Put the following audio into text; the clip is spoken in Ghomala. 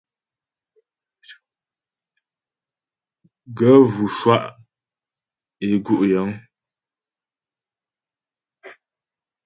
Gaə̂ vʉ shwá' é gú' yəŋ.